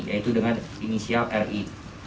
yaitu dengan inisial ri